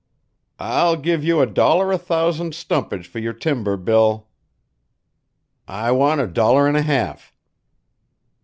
"I'll give you a dollar a thousand stumpage for your timber, Bill." "I want a dollar and a half."